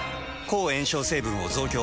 抗炎症成分を増強。